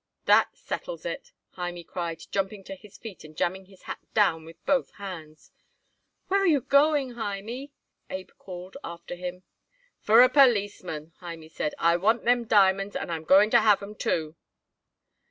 "That settles it," Hymie cried, jumping to his feet and jamming his hat down with both hands. "Where you going, Hymie?" Abe called after him. "For a policeman," Hymie said. "I want them diamonds and I'm going to have 'em, too."